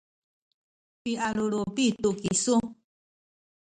pialulupi tu kisu